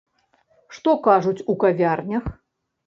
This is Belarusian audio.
Што кажуць у кавярнях?